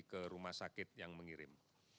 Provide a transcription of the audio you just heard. ke rumah sakit yang mengirim